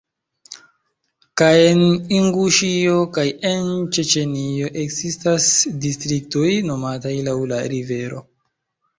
Kaj en Inguŝio kaj en Ĉeĉenio ekzistas distriktoj nomataj laŭ la rivero.